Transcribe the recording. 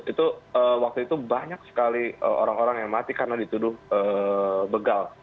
itu waktu itu banyak sekali orang orang yang mati karena dituduh begal